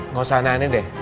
nggak usah aneh aneh deh